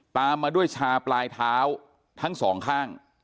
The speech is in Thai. ตามมาด้วยชาปลายเท้าทั้งสองข้าง